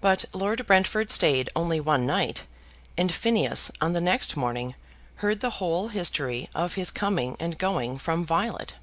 But Lord Brentford stayed only one night, and Phineas on the next morning heard the whole history of his coming and going from Violet.